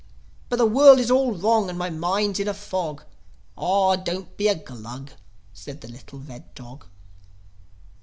But the world is all wrong, and my mind's in a fog!" "Aw, don't be a Glug!" said the little red dog.